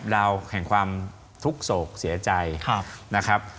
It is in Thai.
ดาวแห่งความทุกข์โศกเสียใจนะครับ